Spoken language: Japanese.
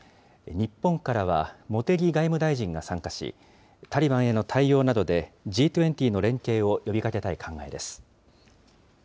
日本からは茂木外務大臣が参加し、タリバンへの対応などでＧ２０の連携を呼びかけたい考えです。